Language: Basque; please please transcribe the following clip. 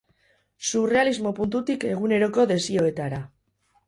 Surrealismo puntutik eguneroko desioetara.